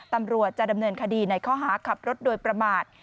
ตำรวจจะดำเนินคดีในข้อหาขับรถโดยประมาท